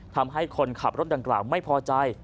ทำให้คนขับรถดังกล่าวไม่พอใจ